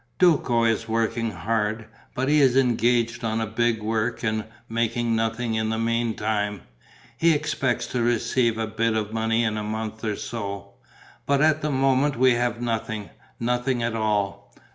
Duco is working hard, but he is engaged on a big work and making nothing in the meantime. He expects to receive a bit of money in a month or so. But at the moment we have nothing, nothing at all.